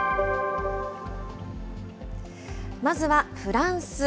まずはフランス。